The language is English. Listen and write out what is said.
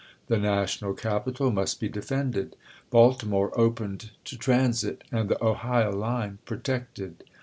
The national capital must be defended, Baltimore opened to transit, and the Ohio line protected.